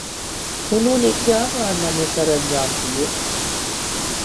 انہوں نے کیا کارنامے سرانجام دئیے؟